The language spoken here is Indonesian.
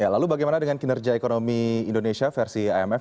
lalu bagaimana dengan kinerja ekonomi indonesia versi imf